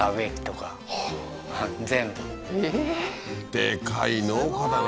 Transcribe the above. でかい農家だな